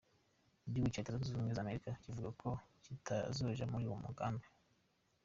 Igihugu ca Leta Zunze Ubumwe za Amerika kivuga ko kitazoja muri uwo mugambi.